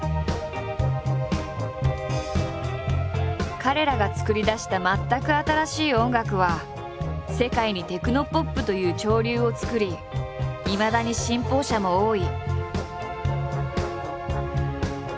彼らが作り出した全く新しい音楽は世界に「テクノポップ」という潮流を作りいまだに信奉者も多い。